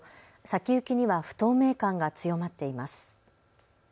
先行きには不透明感が強まっています。